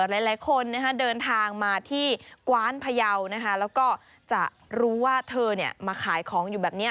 หลายคนเดินทางมาที่กว้านพยาวนะคะแล้วก็จะรู้ว่าเธอมาขายของอยู่แบบนี้